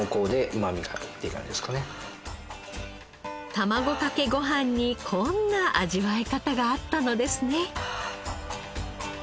卵かけごはんにこんな味わい方があったのですね。